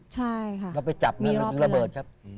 ใช่ค่ะมีรอบเดือน